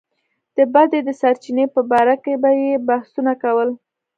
د بدۍ د سرچينې په باره کې به يې بحثونه کول.